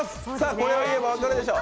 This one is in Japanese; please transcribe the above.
これを言えば分かるでしょう。